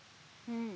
うん。